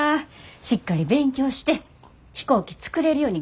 しっかり勉強して飛行機作れるように頑張り。